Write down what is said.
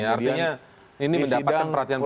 artinya ini mendapatkan perhatian publik